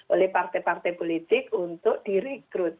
oleh partai partai politik untuk direkrut